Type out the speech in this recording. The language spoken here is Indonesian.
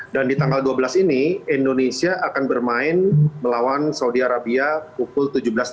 di tanggal dua belas ini indonesia akan bermain melawan saudi arabia pukul tujuh belas tiga puluh